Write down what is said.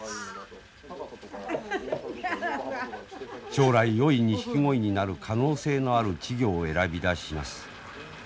将来よいニシキゴイになる可能性のある稚魚を選び出します。